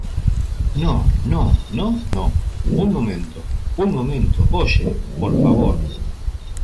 ¡ No, no , no , no , un momento! Un momento. oye .¡ por favor !